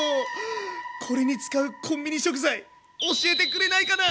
これに使うコンビニ食材教えてくれないかな？